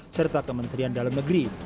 serta kementerian dalam negeri